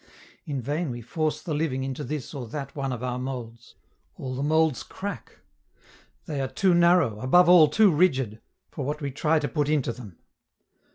In vain we force the living into this or that one of our molds. All the molds crack. They are too narrow, above all too rigid, for what we try to put into them.